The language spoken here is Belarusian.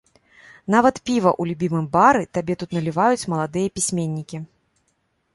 Нават піва ў любімым бары табе тут наліваюць маладыя пісьменнікі.